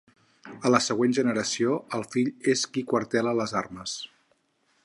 A la següent generació, el fill és qui quartela les armes.